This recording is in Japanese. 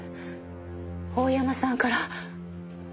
大山さんから。